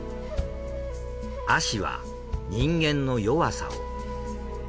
葦は人間の弱さを。